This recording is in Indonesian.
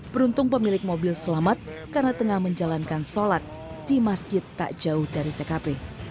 beruntung pemilik mobil selamat karena tengah menjalankan sholat di masjid tak jauh dari tkp